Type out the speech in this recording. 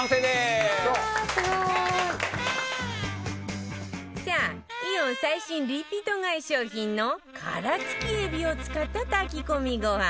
奈緒：うわー、すごい！さあ、イオン最新リピート買い商品の殻付きえびを使った炊き込みご飯